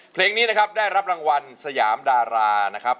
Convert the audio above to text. เพลงนี้นะครับได้รับรางวัลสยามดารานะครับ